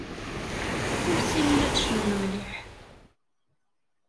Ur ssinen ad cnun mliḥ.